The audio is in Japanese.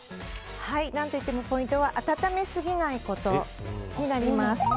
何といってもポイントは温めすぎないことになります。